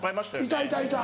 いたいたいた。